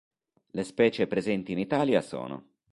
Le specie presenti in Italia sono